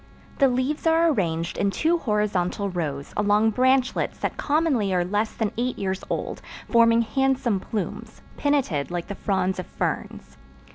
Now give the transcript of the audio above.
The leaves are arranged in two horizontal rows along branchlets that commonly are less than eight years old, forming handsome plumes, pinnated like the fronds of ferns.